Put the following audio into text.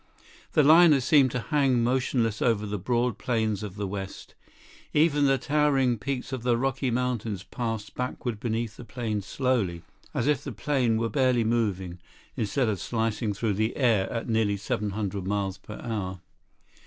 The liner seemed to hang motionless over the broad plains of the West. Even the towering peaks of the Rocky Mountains passed backward beneath the plane slowly, as if the plane were barely moving, instead of slicing through the air at nearly 700 miles per hour.